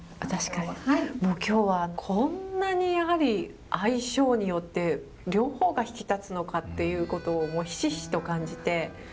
もう今日はこんなにやはり相性によって両方が引き立つのかっていうことをヒシヒシと感じて。